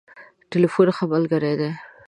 ټليفون ښه ملګری دی.